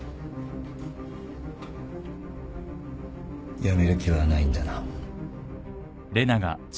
辞める気はないんだな？